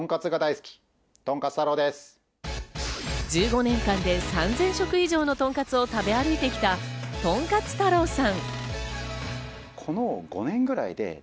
１５年間で３０００食以上のとんかつを食べ歩いてきた豚勝太郎さん。